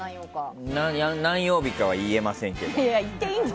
何曜日かは言えませんけども。